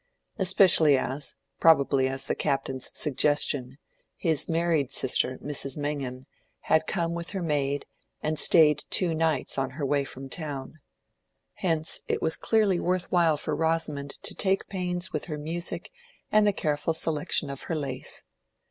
Especially as, probably at the Captain's suggestion, his married sister, Mrs. Mengan, had come with her maid, and stayed two nights on her way from town. Hence it was clearly worth while for Rosamond to take pains with her music and the careful selection of her lace.